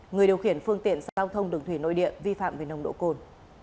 người điều khiển phương tiện giao thông đường thủy nội địa vi phạm về nồng độ cồn